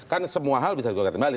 kan semua hal bisa di gugur kembali